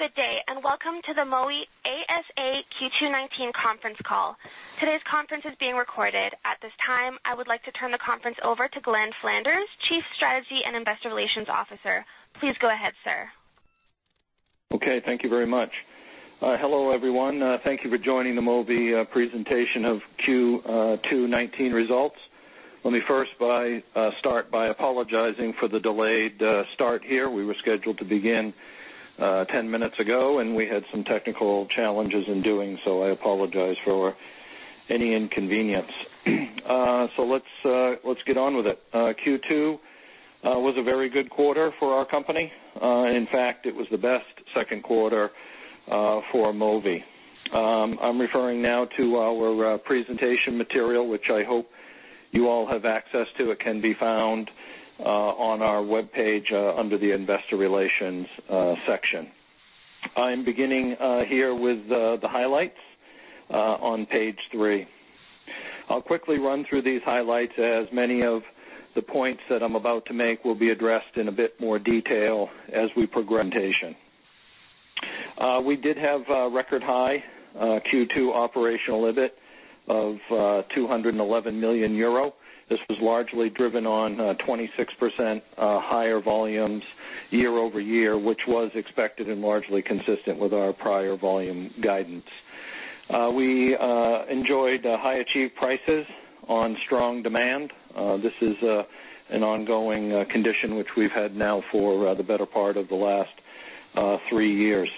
Good day, and welcome to the Mowi ASA Q2 2019 conference call. Today's conference is being recorded. At this time, I would like to turn the conference over to Ivan Vindheim, Chief Strategy and Investor Relations Officer. Please go ahead, sir. Okay. Thank you very much. Hello, everyone. Thank you for joining the Mowi presentation of Q2 2019 results. Let me first start by apologizing for the delayed start here. We were scheduled to begin 10 minutes ago, and we had some technical challenges in doing so. I apologize for any inconvenience. Let's get on with it. Q2 was a very good quarter for our company. In fact, it was the best second quarter for Mowi. I'm referring now to our presentation material, which I hope you all have access to. It can be found on our webpage under the Investor Relations section. I'm beginning here with the highlights on page three. I'll quickly run through these highlights, as many of the points that I'm about to make will be addressed in a bit more detail as we progress the presentation. We did have a record-high Q2 operational EBIT of 211 million euro. This was largely driven on 26% higher volumes year-over-year, which was expected and largely consistent with our prior volume guidance. We enjoyed high achieved prices on strong demand. This is an ongoing condition which we've had now for the better part of the last three years.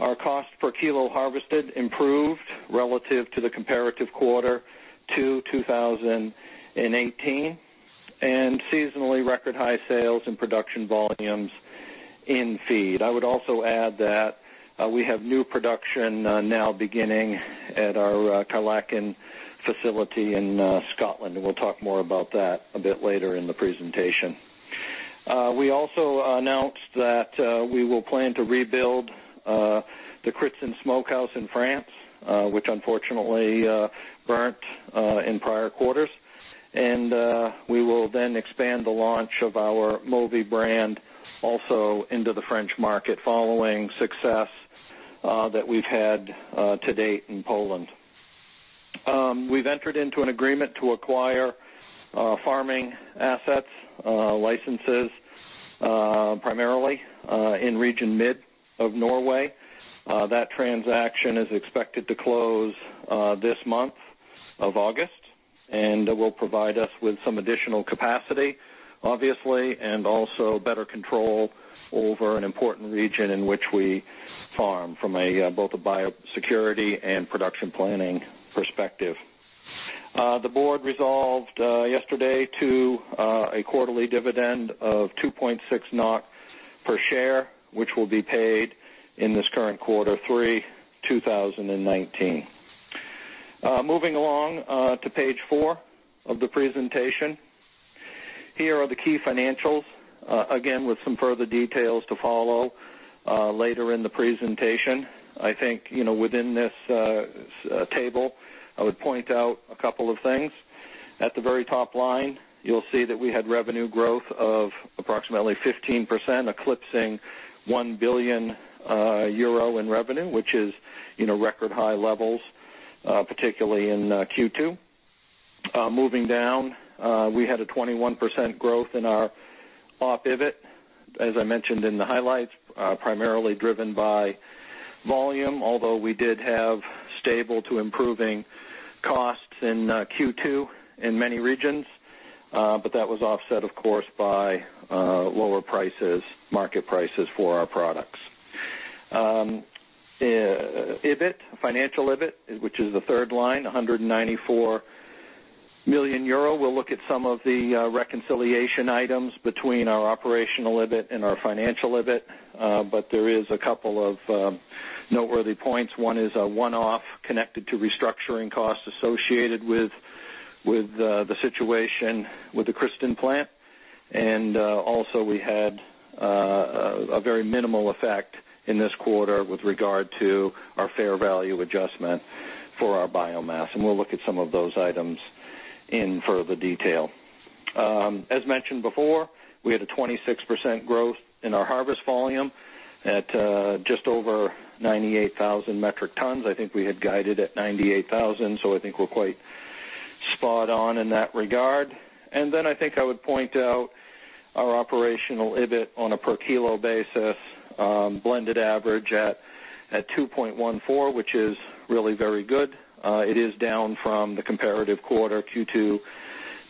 Our cost per kilo harvested improved relative to the comparative quarter to 2018, seasonally record high sales and production volumes in feed. I would also add that we have new production now beginning at our Kyleakin facility in Scotland. We'll talk more about that a bit later in the presentation. We also announced that we will plan to rebuild the Kritsen smokehouse in France, which unfortunately burnt in prior quarters. We will then expand the launch of our Mowi brand also into the French market following success that we've had to date in Poland. We've entered into an agreement to acquire farming assets, licenses primarily, in Region Mid of Norway. That transaction is expected to close this month of August, that will provide us with some additional capacity, obviously, and also better control over an important region in which we farm from both a biosecurity and production planning perspective. The board resolved yesterday to a quarterly dividend of 2.6 NOK per share, which will be paid in this current quarter three 2019. Moving along to page four of the presentation. Here are the key financials, again, with some further details to follow later in the presentation. I think within this table, I would point out a couple of things. At the very top line, you'll see that we had revenue growth of approximately 15%, eclipsing 1 billion euro in revenue, which is record high levels, particularly in Q2. We had a 21% growth in our op EBIT, as I mentioned in the highlights, primarily driven by volume, although we did have stable to improving costs in Q2 in many regions. That was offset, of course, by lower market prices for our products. EBIT, financial EBIT, which is the third line, 194 million euro. We'll look at some of the reconciliation items between our operational EBIT and our financial EBIT. There is a couple of noteworthy points. One is a one-off connected to restructuring costs associated with the situation with the Kritsen plant. Also we had a very minimal effect in this quarter with regard to our fair value adjustment for our biomass, and we'll look at some of those items in further detail. As mentioned before, we had a 26% growth in our harvest volume at just over 98,000 metric tons. I think we had guided at 98,000. I think we're quite spot on in that regard. I think I would point out our operational EBIT on a per kilo basis, blended average at 2.14, which is really very good. It is down from the comparative quarter Q2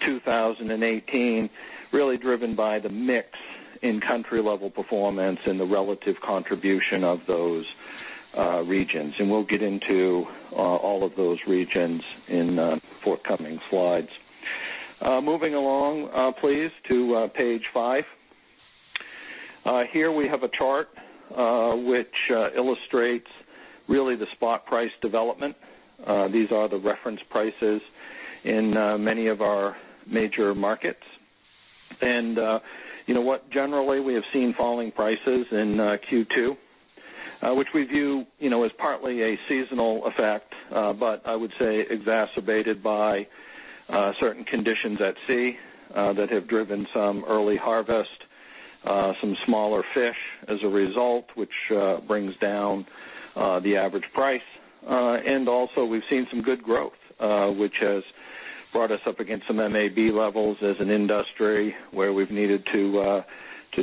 2018, really driven by the mix in country-level performance and the relative contribution of those regions. We'll get into all of those regions in forthcoming slides. Moving along, please, to page five. Here we have a chart which illustrates really the spot price development. These are the reference prices in many of our major markets. Generally, we have seen falling prices in Q2 which we view as partly a seasonal effect. I would say exacerbated by certain conditions at sea that have driven some early harvest, some smaller fish as a result, which brings down the average price. Also, we've seen some good growth, which has brought us up against some MAB levels as an industry where we've needed to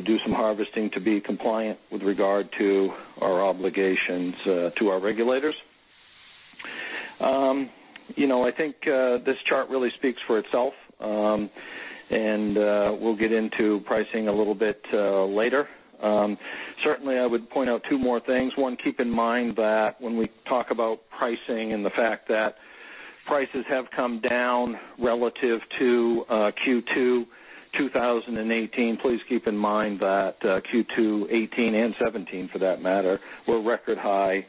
do some harvesting to be compliant with regard to our obligations to our regulators. I think this chart really speaks for itself. We'll get into pricing a little bit later. Certainly, I would point out two more things. One, keep in mind that when we talk about pricing and the fact that prices have come down relative to Q2 2018, please keep in mind that Q2 2018 and 2017, for that matter, were record high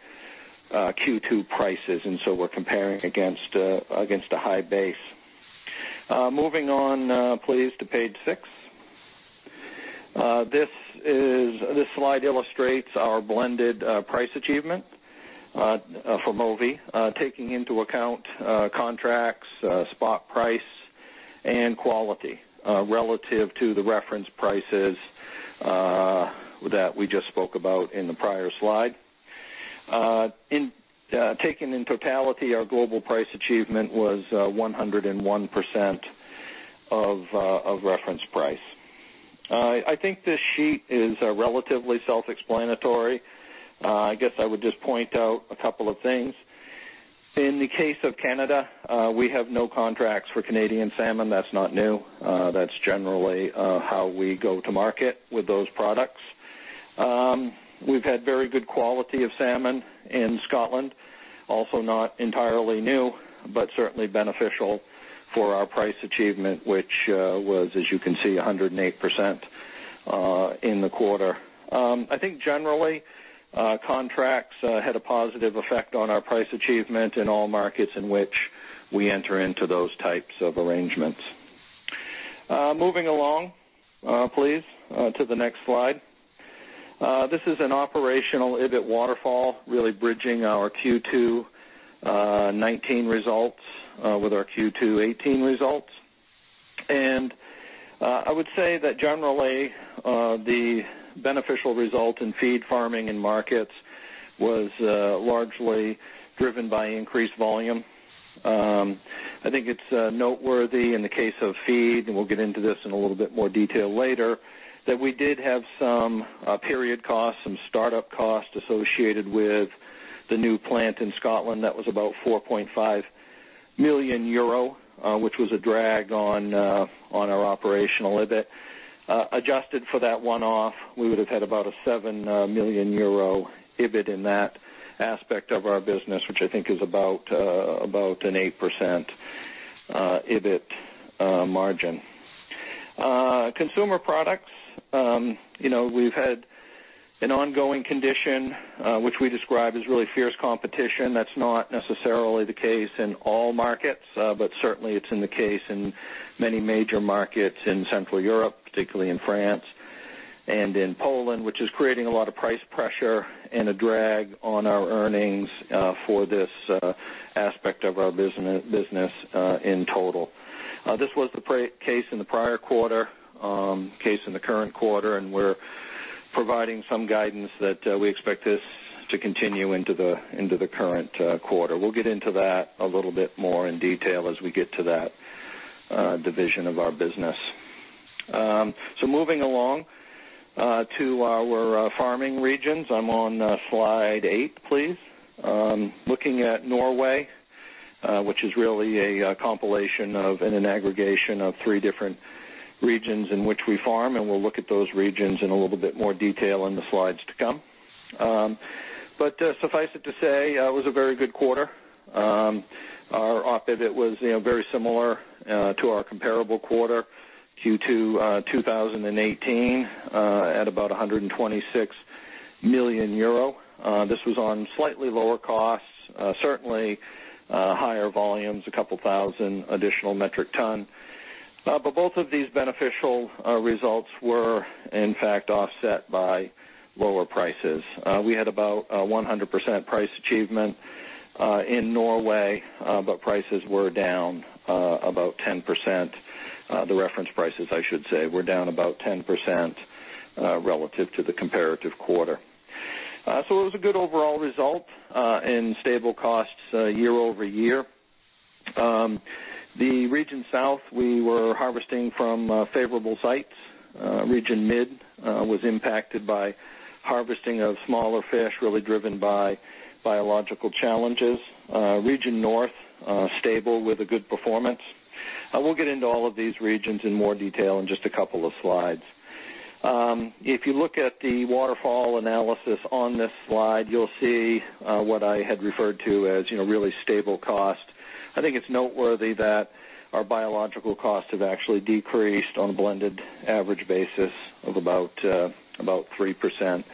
Q2 prices, and so we're comparing against a high base. Moving on, please, to page six. This slide illustrates our blended price achievement for Mowi, taking into account contracts, spot price, and quality relative to the reference prices that we just spoke about in the prior slide. Taken in totality, our global price achievement was 101% of reference price. I think this sheet is relatively self-explanatory. I guess I would just point out a couple of things. In the case of Canada, we have no contracts for Canadian salmon. That's not new. That's generally how we go to market with those products. We've had very good quality of salmon in Scotland. Also not entirely new, but certainly beneficial for our price achievement, which was, as you can see, 108% in the quarter. I think generally, contracts had a positive effect on our price achievement in all markets in which we enter into those types of arrangements. Moving along, please, to the next slide. This is an operational EBIT waterfall, really bridging our Q2 2019 results with our Q2 2018 results. I would say that generally, the beneficial result in Feed farming and markets was largely driven by increased volume. I think it's noteworthy in the case of Feed, and we'll get into this in a little bit more detail later, that we did have some period costs, some startup costs associated with the new plant in Scotland that was about 4.5 million euro, which was a drag on our operational EBIT. Adjusted for that one-off, we would have had about a 7 million euro EBIT in that aspect of our business, which I think is about an 8% EBIT margin. Consumer products. We've had an ongoing condition, which we describe as really fierce competition. Certainly that's not necessarily the case in all markets, but it's in the case in many major markets in Central Europe, particularly in France and in Poland, which is creating a lot of price pressure and a drag on our earnings for this aspect of our business in total. This was the case in the prior quarter, case in the current quarter, and we're providing some guidance that we expect this to continue into the current quarter. We'll get into that a little bit more in detail as we get to that division of our business. Moving along to our farming regions. I'm on slide eight, please. Looking at Norway, which is really a compilation of and an aggregation of three different regions in which we farm, and we'll look at those regions in a little bit more detail in the slides to come. Suffice it to say, it was a very good quarter. Our operating EBIT was very similar to our comparable quarter, Q2 2018, at about 126 million euro. This was on slightly lower costs, certainly higher volumes, 2,000 additional metric tons. Both of these beneficial results were, in fact, offset by lower prices. We had about 100% price achievement in Norway, but prices were down about 10%. The reference prices, I should say, were down about 10% relative to the comparative quarter. It was a good overall result in stable costs year-over-year. The Region South, we were harvesting from favorable sites. Region Mid was impacted by harvesting of smaller fish, really driven by biological challenges. Region North, stable with a good performance. We'll get into all of these regions in more detail in just a couple of slides. If you look at the waterfall analysis on this slide, you'll see what I had referred to as really stable cost. I think it's noteworthy that our biological costs have actually decreased on a blended average basis of about 3%.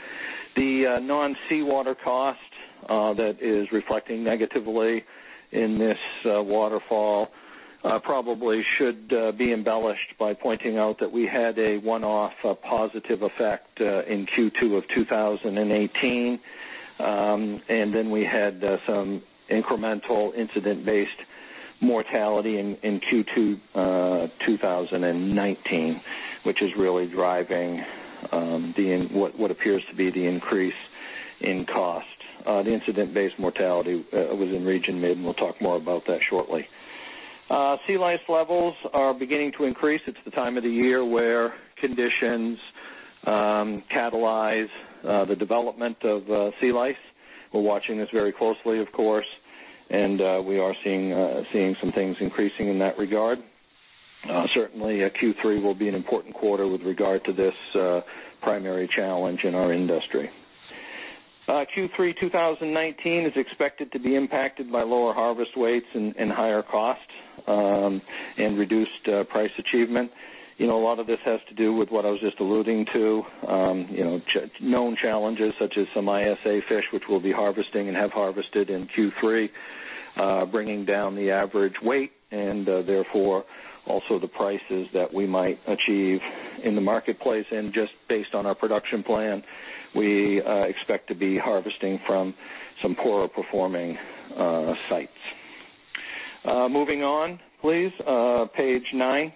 The non-seawater cost that is reflecting negatively in this waterfall probably should be embellished by pointing out that we had a one-off positive effect in Q2 of 2018. We had some incremental incident-based mortality in Q2 2019, which is really driving what appears to be the increase in cost. The incident-based mortality was in Region Mid, and we'll talk more about that shortly. Sea lice levels are beginning to increase. It's the time of the year where conditions catalyze the development of sea lice. We're watching this very closely, of course, and we are seeing some things increasing in that regard. Certainly, Q3 will be an important quarter with regard to this primary challenge in our industry. Q3 2019 is expected to be impacted by lower harvest weights and higher costs, and reduced price achievement. A lot of this has to do with what I was just alluding to. Known challenges such as some ISA fish, which we'll be harvesting and have harvested in Q3, bringing down the average weight and therefore also the prices that we might achieve in the marketplace. Just based on our production plan, we expect to be harvesting from some poorer-performing sites. Moving on, please. Page nine.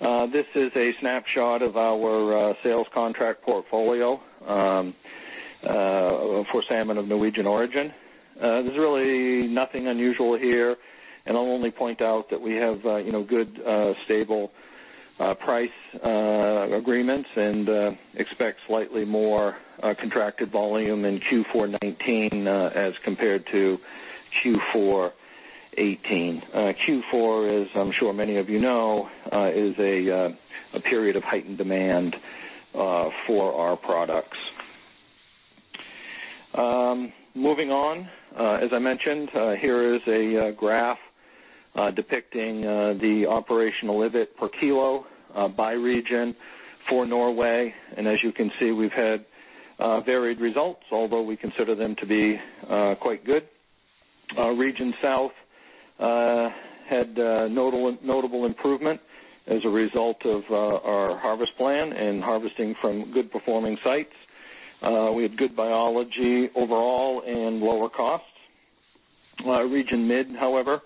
This is a snapshot of our sales contract portfolio for salmon of Norwegian origin. There's really nothing unusual here, and I'll only point out that we have good, stable price agreements and expect slightly more contracted volume in Q4 2019 as compared to Q4 2018. Q4, as I'm sure many of you know, is a period of heightened demand for our products. Moving on. As I mentioned, here is a graph depicting the operational EBIT per kilo by region for Norway. As you can see, we've had varied results, although we consider them to be quite good. Region South had notable improvement as a result of our harvest plan and harvesting from good-performing sites. We had good biology overall and lower costs. Region Mid, however,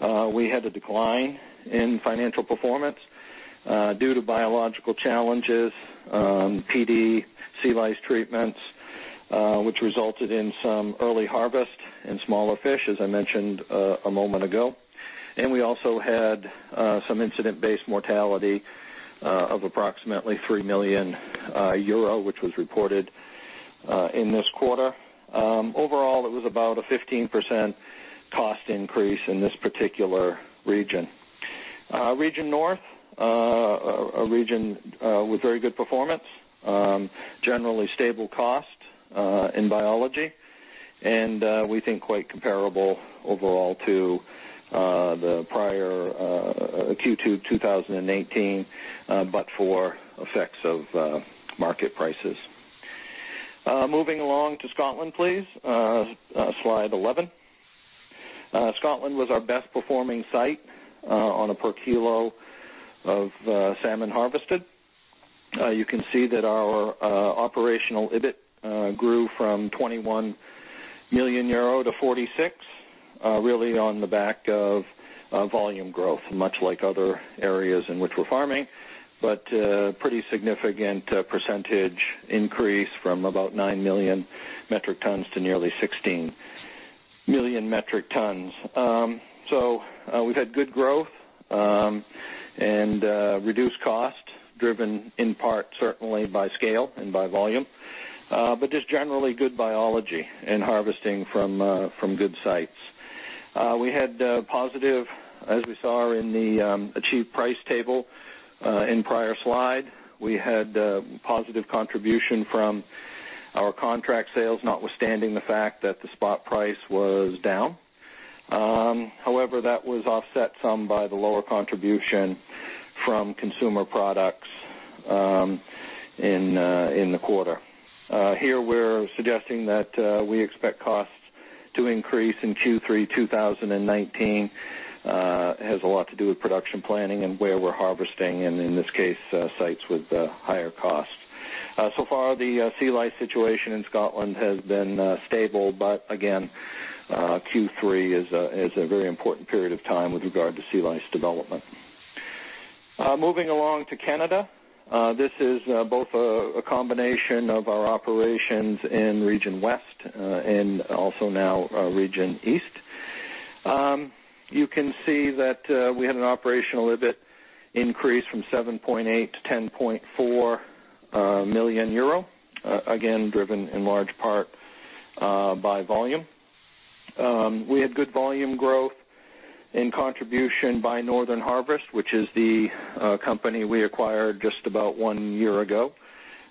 we had a decline in financial performance due to biological challenges, PD, sea lice treatments, which resulted in some early harvest and smaller fish, as I mentioned a moment ago. We also had some incident-based mortality of approximately 3 million euro, which was reported in this quarter. Overall, it was about a 15% cost increase in this particular region. Region North, a region with very good performance. Generally stable cost in biology, and we think quite comparable overall to the prior Q2 2018, but for effects of market prices. Moving along to Scotland, please. Slide 11. Scotland was our best-performing site on a per kilo of salmon harvested. You can see that our operational EBIT grew from 21 million euro to 46 million, really on the back of volume growth, much like other areas in which we're farming. Pretty significant percentage increase from about 9 million metric tons to nearly 16 million metric tons. We've had good growth and reduced cost, driven in part, certainly, by scale and by volume. Generally good biology and harvesting from good sites. We had positive, as we saw in the achieved price table in prior slide, we had positive contribution from our contract sales, notwithstanding the fact that the spot price was down. That was offset some by the lower contribution from consumer products in the quarter. Here we're suggesting that we expect costs to increase in Q3 2019. It has a lot to do with production planning and where we're harvesting, and in this case, sites with higher costs. Far, the sea lice situation in Scotland has been stable. Again, Q3 is a very important period of time with regard to sea lice development. Moving along to Canada. This is both a combination of our operations in Region West and also now Region East. You can see that we had an operational EBIT increase from 7.8 to 10.4 million euro. Again, driven in large part by volume. We had good volume growth in contribution by Northern Harvest, which is the company we acquired just about one year ago,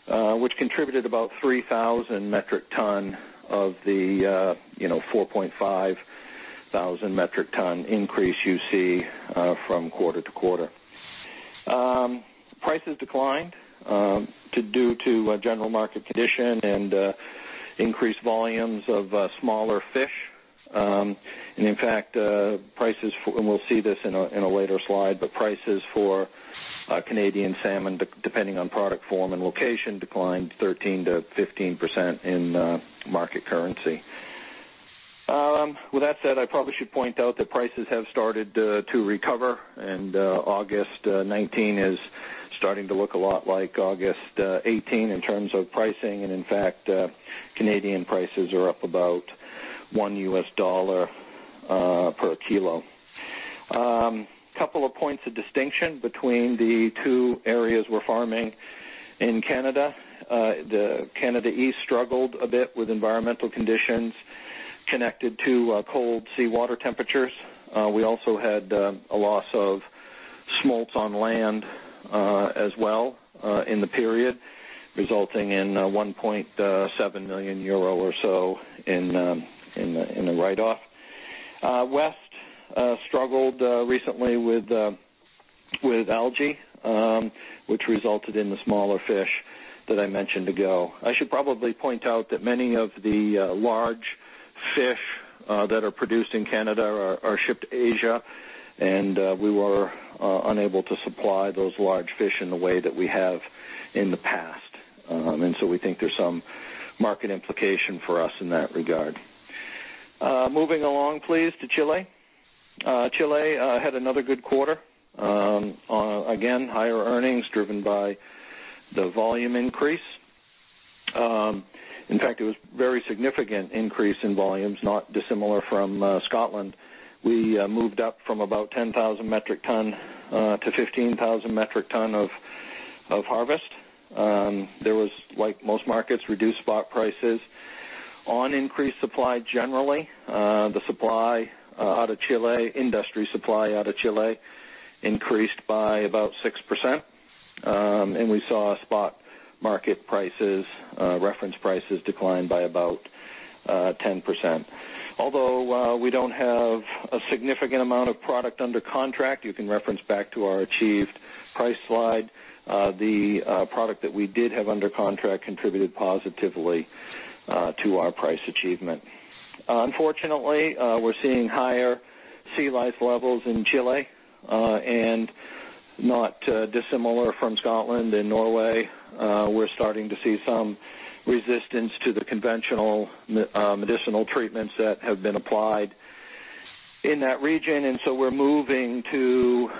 which contributed about 3,000 metric ton of the 4,500 metric ton increase you see from quarter-to-quarter. Prices declined due to general market conditions and increased volumes of smaller fish. In fact, and we'll see this in a later slide, but prices for Canadian salmon, depending on product form and location, declined 13%-15% in market currency. With that said, I probably should point out that prices have started to recover, August 2019 is starting to look a lot like August 2018 in terms of pricing. In fact, Canadian prices are up about $1 per kilo. Couple of points of distinction between the two areas we're farming in Canada. The Canada East struggled a bit with environmental conditions connected to cold seawater temperatures. We also had a loss of smolts on land as well in the period, resulting in 1.7 million euro or so in a write-off. West struggled recently with algae, which resulted in the smaller fish that I mentioned ago. I should probably point out that many of the large fish that are produced in Canada are shipped to Asia. We were unable to supply those large fish in the way that we have in the past. We think there's some market implication for us in that regard. Moving along, please, to Chile. Chile had another good quarter. Again, higher earnings driven by the volume increase. In fact, it was very significant increase in volumes, not dissimilar from Scotland. We moved up from about 10,000 metric ton to 15,000 metric ton of harvest. There was, like most markets, reduced spot prices. On increased supply, generally, the supply out of Chile, industry supply out of Chile, increased by about 6%. We saw spot market prices, reference prices decline by about 10%. Although we don't have a significant amount of product under contract, you can reference back to our achieved price slide. The product that we did have under contract contributed positively to our price achievement. Unfortunately, we're seeing higher sea lice levels in Chile. Not dissimilar from Scotland and Norway, we're starting to see some resistance to the conventional medicinal treatments that have been applied in that region. We're moving to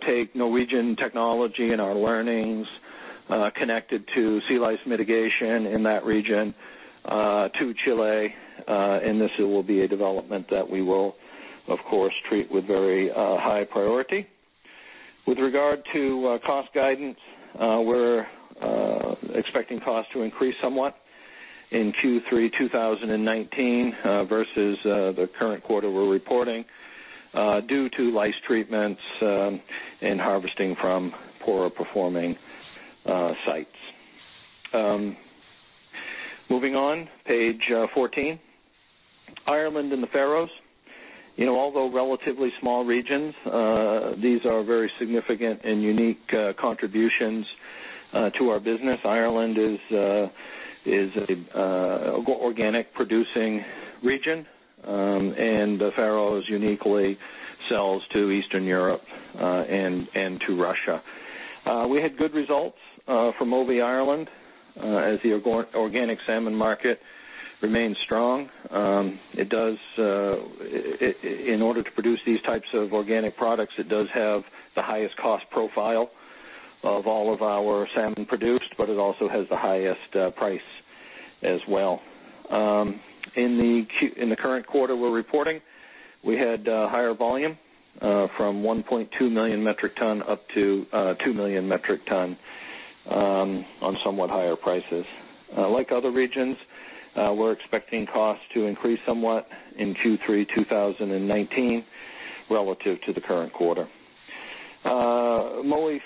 take Norwegian technology and our learnings connected to sea lice mitigation in that region to Chile, and this will be a development that we will, of course, treat with very high priority. With regard to cost guidance, we're expecting costs to increase somewhat in Q3 2019 versus the current quarter we're reporting due to lice treatments and harvesting from poorer-performing sites. Moving on, page 14. Ireland and the Faroes. Although relatively small regions, these are very significant and unique contributions to our business. Ireland is a organic-producing region. The Faroes uniquely sells to Eastern Europe and to Russia. We had good results from Mowi Ireland, as the organic salmon market remains strong. In order to produce these types of organic products, it does have the highest cost profile of all of our salmon produced, but it also has the highest price as well. In the current quarter we're reporting, we had higher volume from 1.2 million metric ton up to 2 million metric ton on somewhat higher prices. Like other regions, we're expecting costs to increase somewhat in Q3 2019 relative to the current quarter. Mowi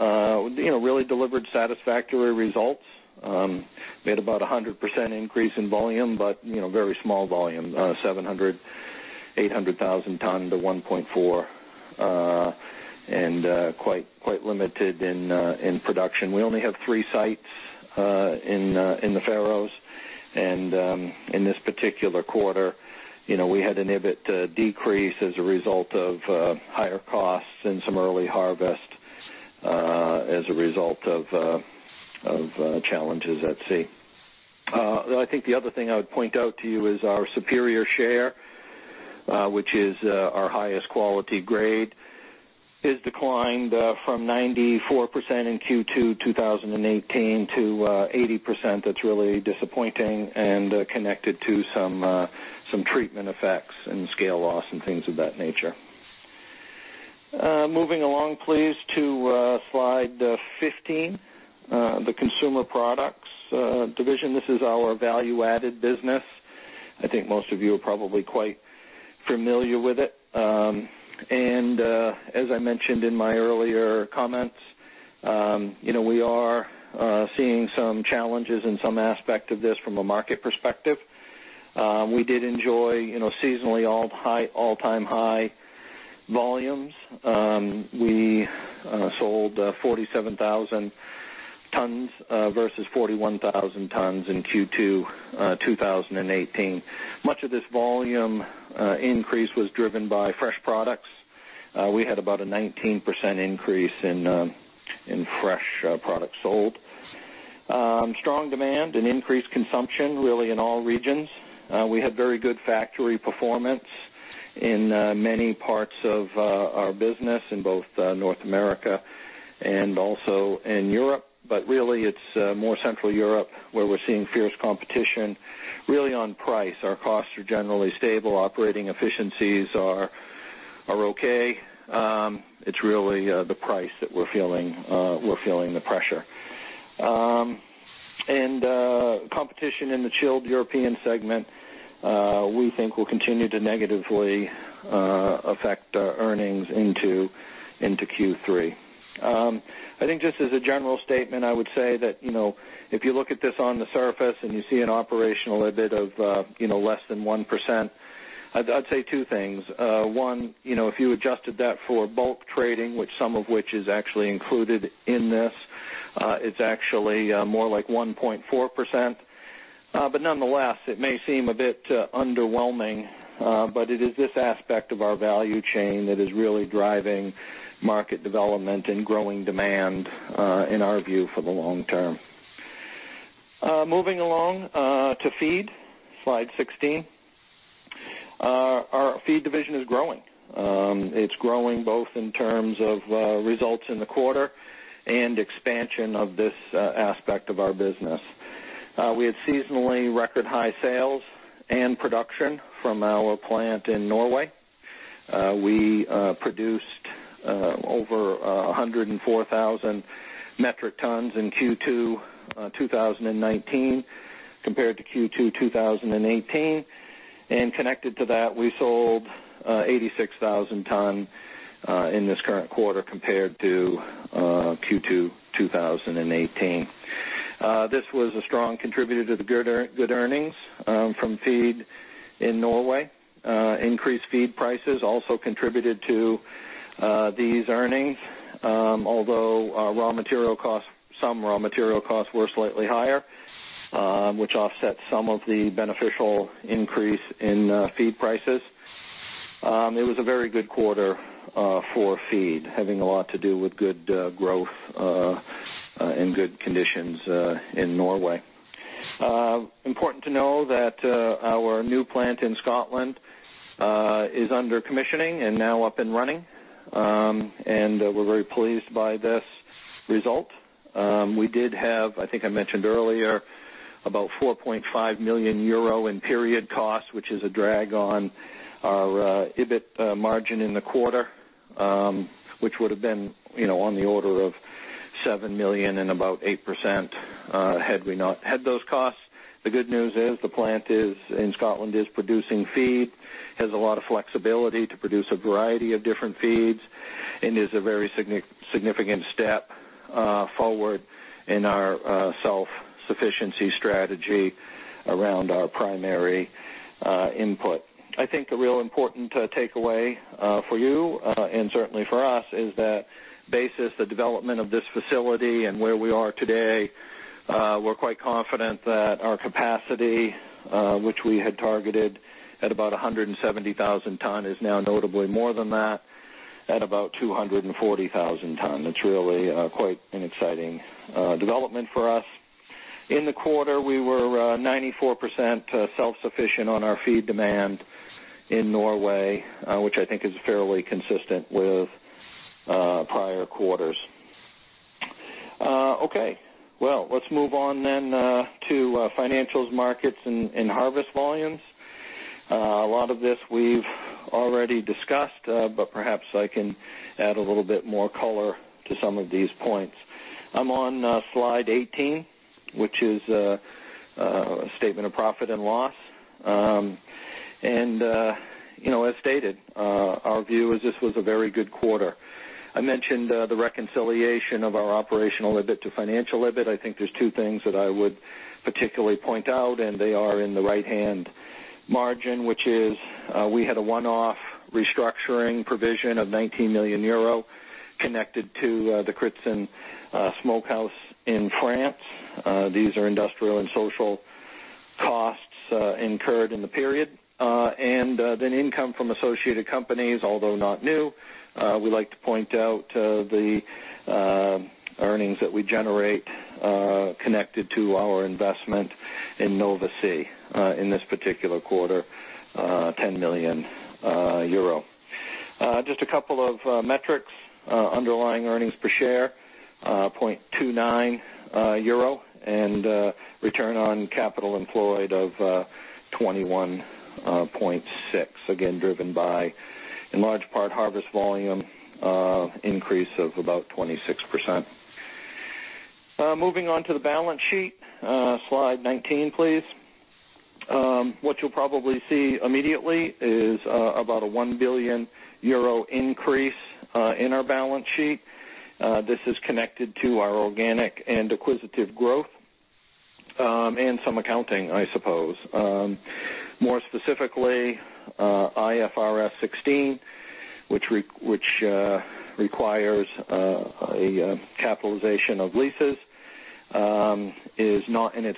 Faroes really delivered satisfactory results. Made about 100% increase in volume, but very small volume, 700,000, 800,000 ton to 1.4 and quite limited in production. We only have three sites in the Faroes. In this particular quarter we had an EBIT decrease as a result of higher costs and some early harvest as a result of challenges at sea. Though I think the other thing I would point out to you is our superior share, which is our highest quality grade, is declined from 94% in Q2 2018 to 80%. That's really disappointing and connected to some treatment effects and scale loss and things of that nature. Moving along, please, to slide 15. The consumer products division. This is our value-added business. I think most of you are probably quite familiar with it. As I mentioned in my earlier comments, we are seeing some challenges in some aspect of this from a market perspective. We did enjoy seasonally all-time high volumes. We sold 47,000 tons versus 41,000 tons in Q2 2018. Much of this volume increase was driven by fresh products. We had about a 19% increase in fresh products sold. Strong demand and increased consumption, really in all regions. We had very good factory performance in many parts of our business in both North America and also in Europe. Really it's more Central Europe where we're seeing fierce competition really on price. Our costs are generally stable. Operating efficiencies are okay. It's really the price that we're feeling the pressure. Competition in the chilled European segment, we think will continue to negatively affect our earnings into Q3. I think just as a general statement, I would say that, if you look at this on the surface and you see an operational EBIT of less than 1%, I'd say two things. One, if you adjusted that for bulk trading, which some of which is actually included in this, it's actually more like 1.4%. Nonetheless, it may seem a bit underwhelming. It is this aspect of our value chain that is really driving market development and growing demand, in our view, for the long term. Moving along, to feed, slide 16. Our feed division is growing. It's growing both in terms of results in the quarter and expansion of this aspect of our business. We had seasonally record-high sales and production from our plant in Norway. We produced over 104,000 metric tons in Q2 2019 compared to Q2 2018. Connected to that, we sold 86,000 tons in this current quarter compared to Q2 2018. This was a strong contributor to the good earnings from feed in Norway. Increased feed prices also contributed to these earnings, although some raw material costs were slightly higher, which offset some of the beneficial increase in feed prices. It was a very good quarter for feed, having a lot to do with good growth and good conditions in Norway. Important to know that our new plant in Scotland is under commissioning and now up and running. We're very pleased by this result. We did have, I think I mentioned earlier, about 4.5 million euro in period cost, which is a drag on our EBIT margin in the quarter. Which would have been on the order of 7 million and about 8% had we not had those costs. The good news is the plant in Scotland is producing feed, has a lot of flexibility to produce a variety of different feeds, and is a very significant step forward in our self-sufficiency strategy around our primary input. I think the real important takeaway for you, and certainly for us, is that basis the development of this facility and where we are today, we're quite confident that our capacity, which we had targeted at about 170,000 tons, is now notably more than that, at about 240,000 tons. It's really quite an exciting development for us. In the quarter, we were 94% self-sufficient on our feed demand in Norway, which I think is fairly consistent with prior quarters. Okay. Well, let's move on to financials, markets, and harvest volumes. A lot of this we've already discussed, perhaps I can add a little bit more color to some of these points. I'm on slide 18, which is a statement of profit and loss. As stated, our view is this was a very good quarter. I mentioned the reconciliation of our operational EBIT to financial EBIT. I think there's two things that I would particularly point out, and they are in the right-hand margin, which is, we had a one-off restructuring provision of 19 million euro connected to the Kritsen smokehouse in France. These are industrial and social costs incurred in the period. Income from associated companies, although not new, we like to point out the earnings that we generate connected to our investment in Nova Sea. In this particular quarter, 10 million euro. Just a couple of metrics. Underlying earnings per share, 0.29 euro. Return on capital employed of 21.6%, again, driven by, in large part, harvest volume increase of about 26%. Moving on to the balance sheet. Slide 19, please. What you'll probably see immediately is about a 1 billion euro increase in our balance sheet. This is connected to our organic and acquisitive growth. Some accounting, I suppose. More specifically, IFRS 16, which requires a capitalization of leases and it's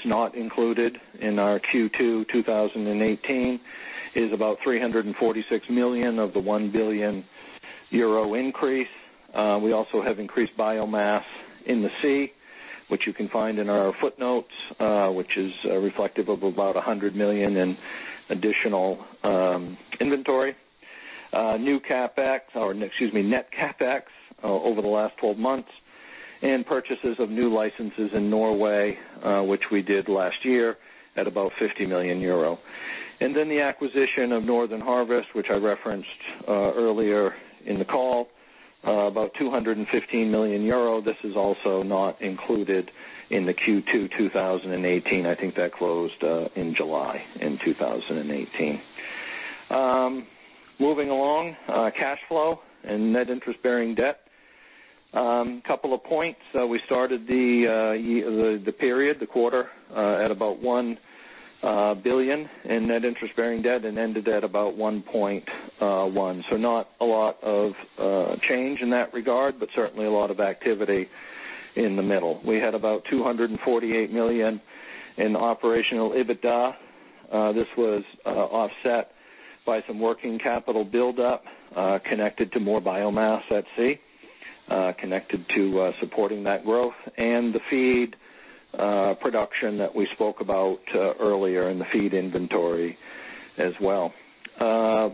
not included in our Q2 2018, is about 346 million of the 1 billion euro increase. We also have increased biomass in the sea, which you can find in our footnotes, which is reflective of about 100 million in additional inventory. Net CapEx over the last 12 months, and purchases of new licenses in Norway, which we did last year at about 50 million euro. The acquisition of Northern Harvest, which I referenced earlier in the call, about 215 million euro. This is also not included in the Q2 2018. I think that closed in July in 2018. Moving along. Cash flow and net interest-bearing debt. Couple of points. We started the period, the quarter, at about 1 billion in net interest-bearing debt and ended at about 1.1 billion. Not a lot of change in that regard, but certainly a lot of activity in the middle. We had about 248 million in operational EBITDA. This was offset by some working capital buildup connected to more biomass at sea, connected to supporting that growth, and the feed production that we spoke about earlier, and the feed inventory as well.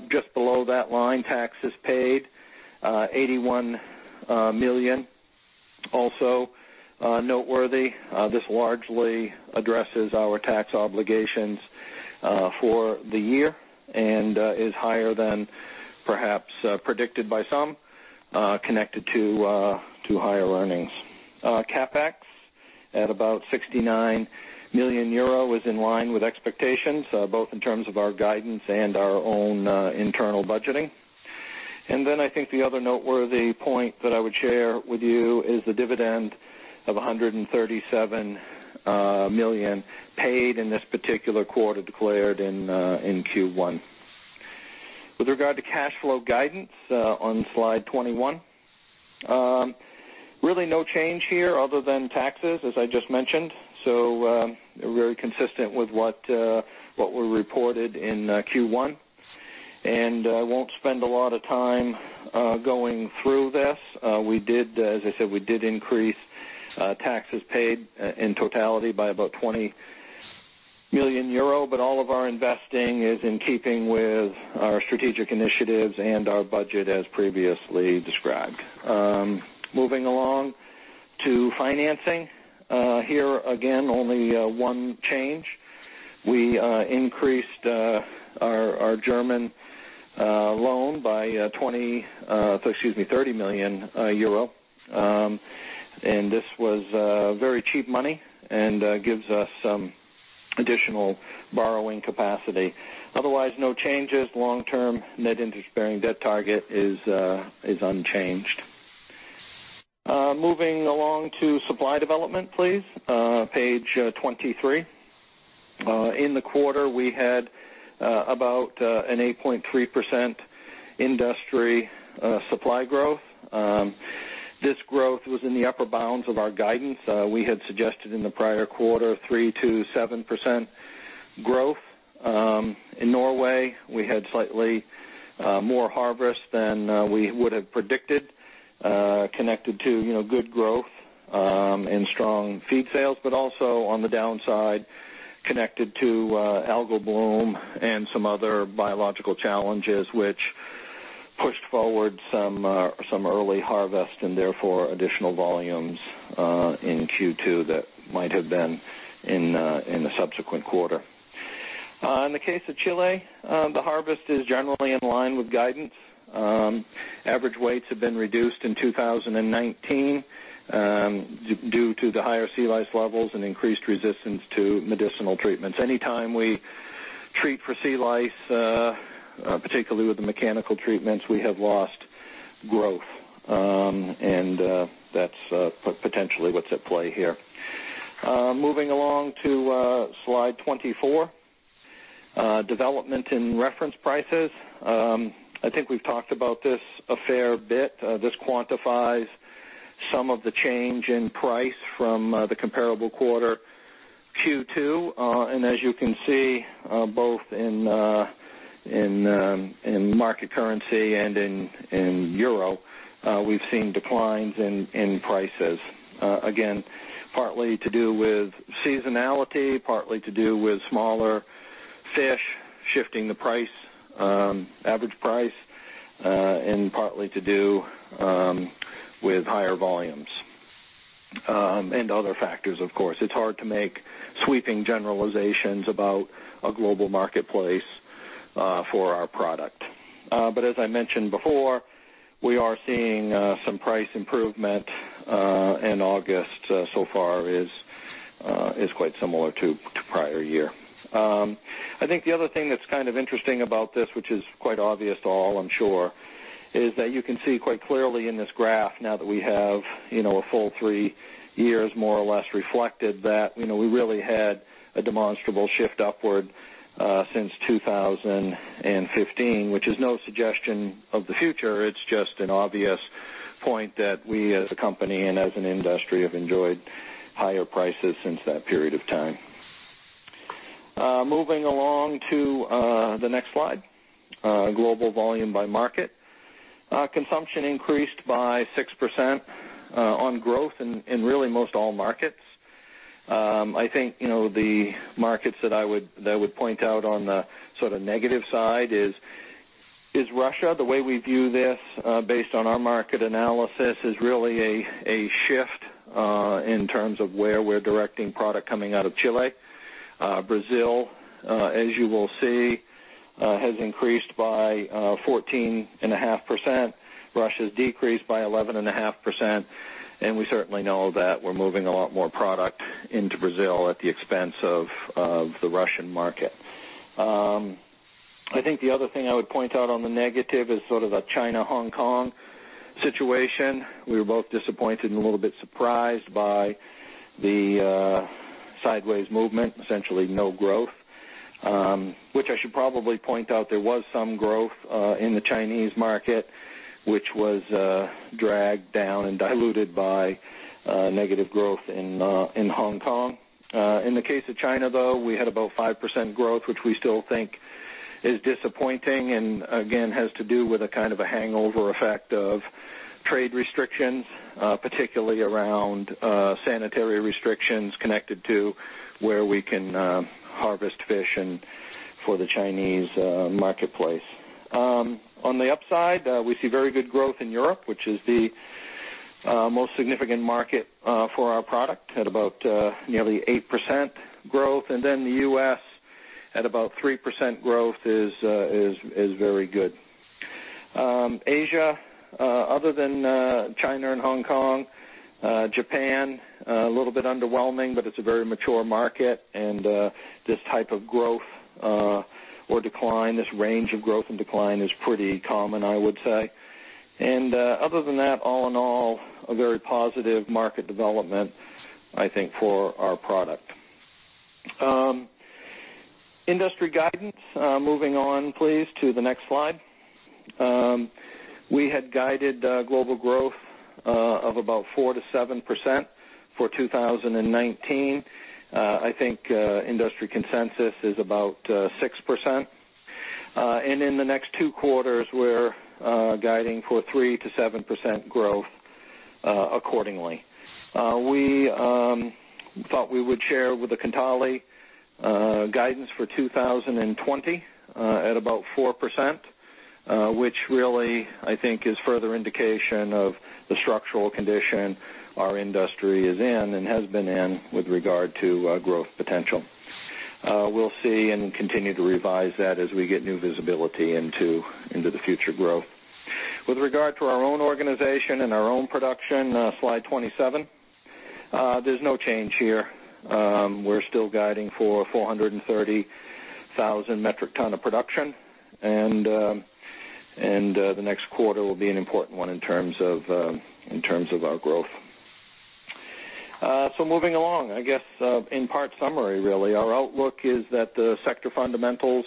Just below that line, taxes paid, 81 million, also noteworthy. This largely addresses our tax obligations for the year and is higher than perhaps predicted by some, connected to higher earnings. CapEx at about 69 million euro is in line with expectations, both in terms of our guidance and our own internal budgeting. I think the other noteworthy point that I would share with you is the dividend of 137 million paid in this particular quarter, declared in Q1. With regard to cash flow guidance on slide 21, really no change here other than taxes, as I just mentioned. Very consistent with what we reported in Q1. I won't spend a lot of time going through this. As I said, we did increase taxes paid in totality by about 20 million euro, all of our investing is in keeping with our strategic initiatives and our budget as previously described. Moving along to financing. Here again, only one change. We increased our German loan by 30 million euro. This was very cheap money and gives us some additional borrowing capacity. Otherwise, no changes. Long-term net interest-bearing debt target is unchanged. Moving along to supply development, please. Page 23. In the quarter, we had about an 8.3% industry supply growth. This growth was in the upper bounds of our guidance. We had suggested in the prior quarter 3%-7% growth. In Norway, we had slightly more harvest than we would have predicted connected to good growth and strong feed sales, but also on the downside connected to algal bloom and some other biological challenges which pushed forward some early harvest and therefore additional volumes in Q2 that might have been in the subsequent quarter. In the case of Chile, the harvest is generally in line with guidance. Average weights have been reduced in 2019 due to the higher sea lice levels and increased resistance to medicinal treatments. Anytime we treat for sea lice, particularly with the mechanical treatments, we have lost growth. That's potentially what's at play here. Moving along to slide 24. Development in reference prices. I think we've talked about this a fair bit. This quantifies some of the change in price from the comparable quarter Q2. As you can see, both in market currency and in euro, we've seen declines in prices. Again, partly to do with seasonality, partly to do with smaller fish shifting the average price, and partly to do with higher volumes, and other factors, of course. It's hard to make sweeping generalizations about a global marketplace for our product. As I mentioned before, we are seeing some price improvement, and August so far is quite similar to prior year. I think the other thing that's kind of interesting about this, which is quite obvious to all, I'm sure, is that you can see quite clearly in this graph, now that we have a full three years, more or less, reflected that we really had a demonstrable shift upward since 2015, which is no suggestion of the future. It's just an obvious point that we, as a company and as an industry, have enjoyed higher prices since that period of time. Moving along to the next slide, global volume by market. Consumption increased by 6% on growth in really most all markets. I think, the markets that I would point out on the sort of negative side is Russia. The way we view this, based on our market analysis, is really a shift in terms of where we're directing product coming out of Chile. Brazil, as you will see, has increased by 14.5%. Russia's decreased by 11.5%. We certainly know that we're moving a lot more product into Brazil at the expense of the Russian market. I think the other thing I would point out on the negative is sort of a China/Hong Kong situation. We were both disappointed and a little bit surprised by the sideways movement, essentially no growth. I should probably point out, there was some growth in the Chinese market, which was dragged down and diluted by negative growth in Hong Kong. In the case of China, though, we had about 5% growth, which we still think is disappointing and, again, has to do with a kind of a hangover effect of trade restrictions, particularly around sanitary restrictions connected to where we can harvest fish and for the Chinese marketplace. On the upside, we see very good growth in Europe, which is the most significant market for our product, at about nearly 8% growth. The U.S., at about 3% growth, is very good. Asia, other than China and Hong Kong. Japan, a little bit underwhelming, but it's a very mature market, and this type of growth or decline, this range of growth and decline is pretty common, I would say. Other than that, all in all, a very positive market development, I think, for our product. Industry guidance. Moving on, please, to the next slide. We had guided global growth of about 4%-7% for 2019. I think industry consensus is about 6%. In the next two quarters, we're guiding for 3%-7% growth accordingly. We thought we would share with the Kontali guidance for 2020 at about 4%, which really, I think, is further indication of the structural condition our industry is in and has been in with regard to growth potential. We'll see and continue to revise that as we get new visibility into the future growth. With regard to our own organization and our own production, slide 27. There's no change here. We're still guiding for 430,000 metric ton of production. The next quarter will be an important one in terms of our growth. Moving along, I guess, in part summary, really. Our outlook is that the sector fundamentals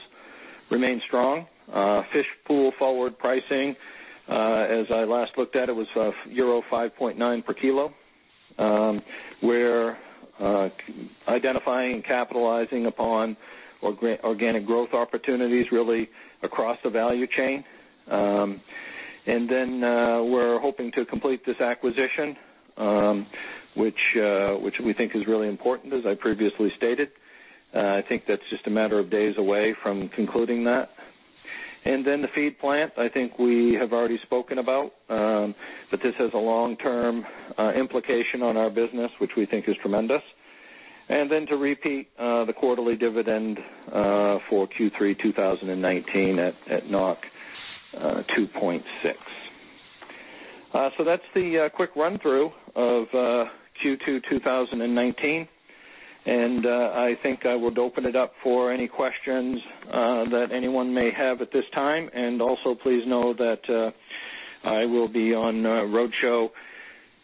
remain strong. Fish Pool forward pricing, as I last looked at it, was euro 5.9 per kilo. We're identifying and capitalizing upon organic growth opportunities, really across the value chain. We're hoping to complete this acquisition, which we think is really important, as I previously stated. I think that's just a matter of days away from concluding that. The feed plant, I think we have already spoken about. This has a long-term implication on our business, which we think is tremendous. To repeat the quarterly dividend for Q3 2019 at 2.6. That's the quick run-through of Q2 2019, and I think I would open it up for any questions that anyone may have at this time. Please know that I will be on road show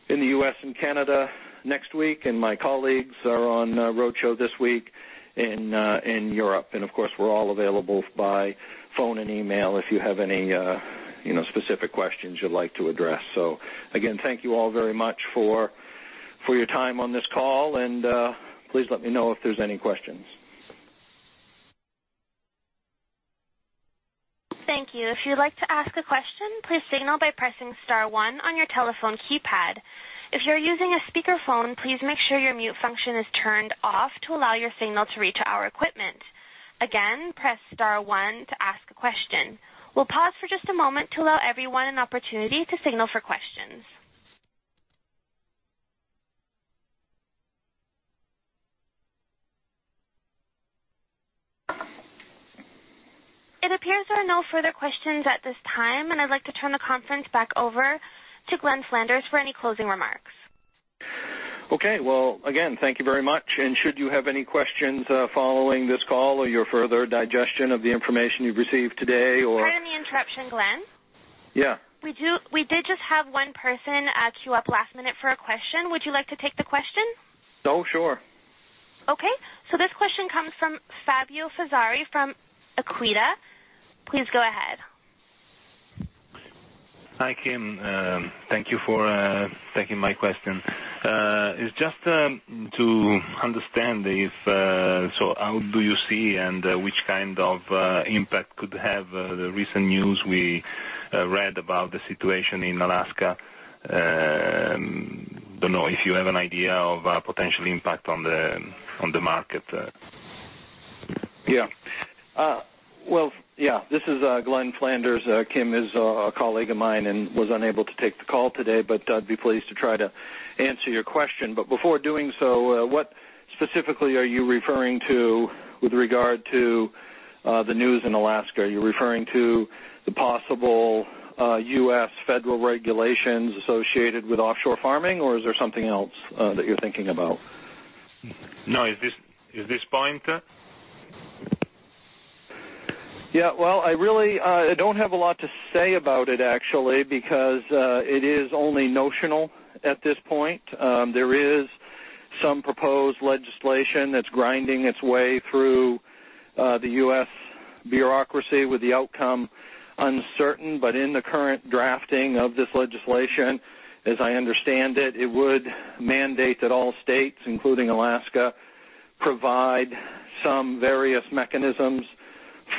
in the U.S. and Canada next week, and my colleagues are on road show this week in Europe. We're all available by phone and email if you have any specific questions you'd like to address. Thank you all very much for your time on this call, and please let me know if there's any questions. Thank you. If you'd like to ask a question, please signal by pressing star one on your telephone keypad. If you're using a speakerphone, please make sure your mute function is turned off to allow your signal to reach our equipment. Again, press star one to ask a question. We'll pause for just a moment to allow everyone an opportunity to signal for questions. It appears there are no further questions at this time, and I'd like to turn the conference back over to Ivan Vindheim for any closing remarks. Okay. Well, again, thank you very much. Should you have any questions following this call or your further digestion of the information you've received today. Pardon the interruption, Ivan Vindheim. Yeah. We did just have one person queue up last minute for a question. Would you like to take the question? Oh, sure. Okay. This question comes from Fabio Fazzari from Equita. Please go ahead. Hi, Kim. Thank you for taking my question. It's just to understand if, so how do you see and which kind of impact could have the recent news we read about the situation in Alaska? Don't know if you have an idea of potential impact on the market? Well, this is Ivan Vindheim. Kim is a colleague of mine and was unable to take the call today, but I'd be pleased to try to answer your question. Before doing so, what specifically are you referring to with regard to the news in Alaska? Are you referring to the possible, U.S. federal regulations associated with offshore farming, or is there something else that you're thinking about? No, at this point. Yeah. Well, I really don't have a lot to say about it actually, because it is only notional at this point. There is some proposed legislation that's grinding its way through the U.S. bureaucracy with the outcome uncertain. In the current drafting of this legislation, as I understand it would mandate that all states, including Alaska, provide some various mechanisms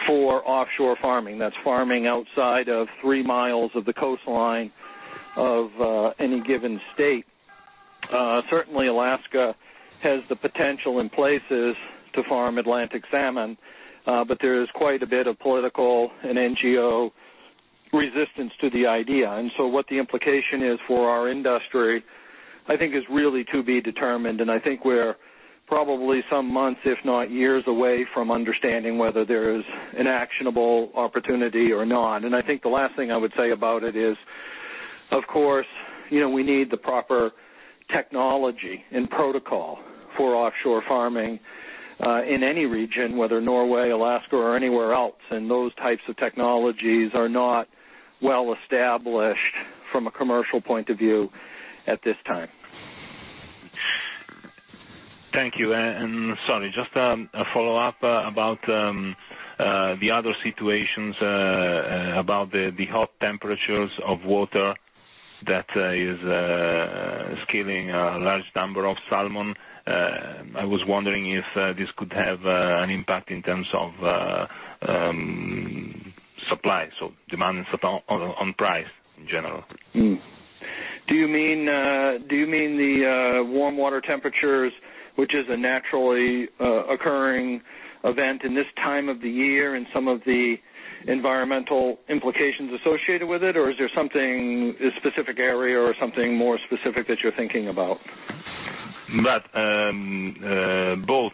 for offshore farming. That's farming outside of 3 mi of the coastline of any given state. Certainly, Alaska has the potential in places to farm Atlantic salmon, but there is quite a bit of political and NGO resistance to the idea. What the implication is for our industry, I think, is really to be determined, and I think we're probably some months, if not years away from understanding whether there is an actionable opportunity or not. I think the last thing I would say about it is, of course, we need the proper technology and protocol for offshore farming, in any region, whether Norway, Alaska, or anywhere else. Those types of technologies are not well established from a commercial point of view at this time. Thank you, sorry, just a follow-up about the other situations, about the hot temperatures of water that is killing a large number of salmon. I was wondering if this could have an impact in terms of supply, so demand on price in general? Do you mean the warm water temperatures, which is a naturally occurring event in this time of the year and some of the environmental implications associated with it? Is there something, a specific area or something more specific that you're thinking about? Both,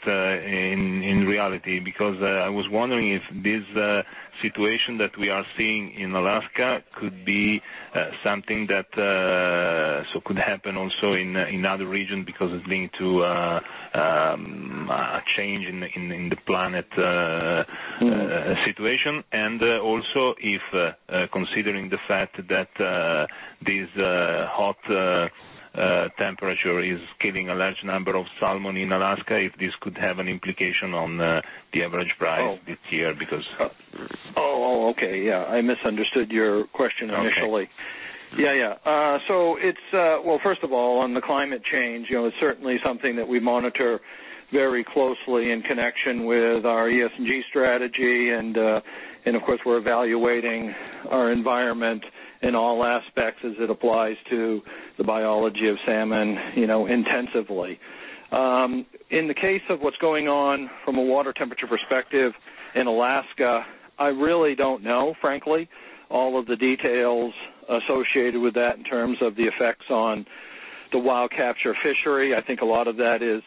in reality, because I was wondering if this situation that we are seeing in Alaska could be something that could happen also in other regions because it's linked to a change in the planet situation. Also, if considering the fact that this hot temperature is killing a large number of salmon in Alaska, if this could have an implication on the average price this year. Oh, okay. Yeah, I misunderstood your question initially. Okay. Well, first of all, on the climate change, it's certainly something that we monitor very closely in connection with our ESG strategy, and of course, we're evaluating our environment in all aspects as it applies to the biology of salmon intensively. In the case of what's going on from a water temperature perspective in Alaska, I really don't know, frankly, all of the details associated with that in terms of the effects on the wild capture fishery. I think a lot of that is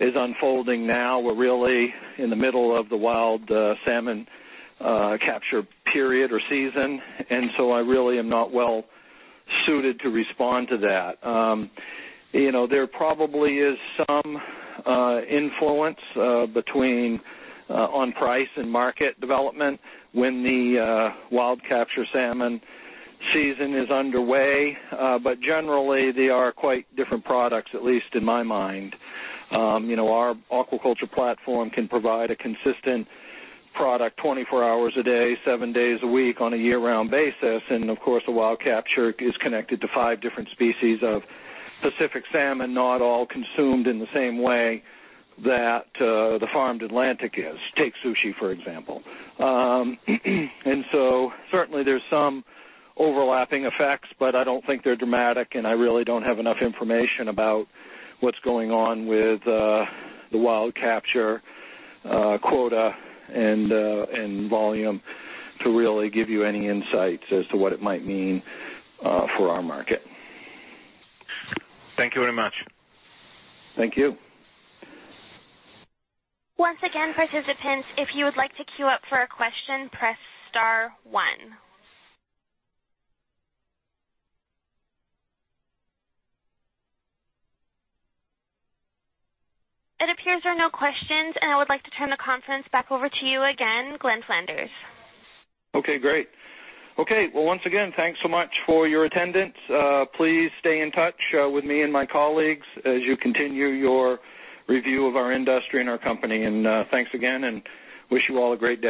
unfolding now. We're really in the middle of the wild salmon capture period or season, and so I really am not well suited to respond to that. There probably is some influence between on-price and market development when the wild capture salmon season is underway, but generally, they are quite different products, at least in my mind. Our aquaculture platform can provide a consistent product 24 hours a day, seven days a week on a year-round basis, and of course, the wild capture is connected to five different species of Pacific salmon, not all consumed in the same way that the farmed Atlantic is. Take sushi, for example. Certainly there's some overlapping effects, but I don't think they're dramatic, and I really don't have enough information about what's going on with the wild capture quota and volume to really give you any insights as to what it might mean for our market. Thank you very much. Thank you. Once again, participants, if you would like to queue up for a question, press star one. It appears there are no questions, and I would like to turn the conference back over to you again, Ivan Vindheim. Okay, great. Okay, well, once again, thanks so much for your attendance. Please stay in touch with me and my colleagues as you continue your review of our industry and our company. Thanks again, and wish you all a great day.